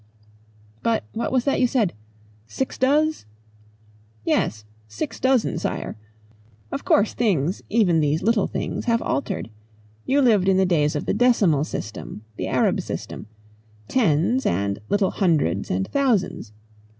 "But what was that you said sixdoz?" "Yes. Six dozen, Sire. Of course things, even these little things, have altered. You lived in the days of the decimal system, the Arab system tens, and little hundreds and thousands.